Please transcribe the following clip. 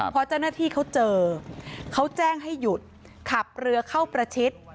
พอเจ้าหน้าที่เขาเจอเขาแจ้งให้หยุดขับเรือเข้าประชิด